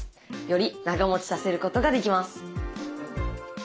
より長もちさせることができます。